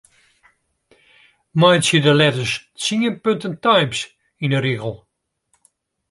Meitsje de letters tsien punten Times yn 'e rigel.